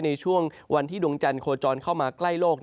ในช่วงวันที่ดวงจันทร์โคจรเข้ามาใกล้โลก